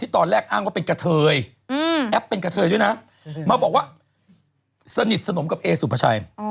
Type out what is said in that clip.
ตอนแรกอ้างว่าเป็นกะเทยแอปเป็นกะเทยด้วยนะมาบอกว่าสนิทสนมกับเอสุภาชัย